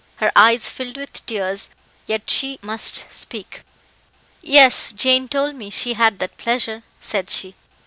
Her eyes filled with tears, but yet she must speak. "Yes, Jane told me she had that pleasure," said she.